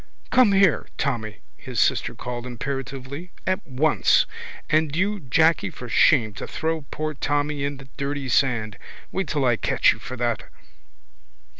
—Come here, Tommy, his sister called imperatively. At once! And you, Jacky, for shame to throw poor Tommy in the dirty sand. Wait till I catch you for that.